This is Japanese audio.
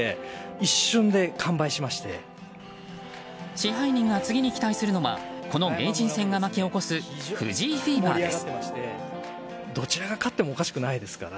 支配人が次に期待するのはこの名人戦が巻き起こす藤井フィーバーです。